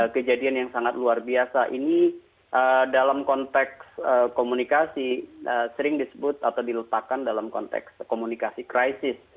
kejadian yang sangat luar biasa ini dalam konteks komunikasi sering disebut atau diletakkan dalam konteks komunikasi krisis